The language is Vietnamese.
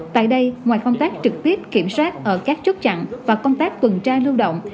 tại đây ngoài công tác trực tiếp kiểm soát ở các chốt chặn và công tác tuần tra lưu động